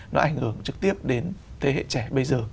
nó ảnh hưởng trực tiếp đến thế hệ trẻ bây giờ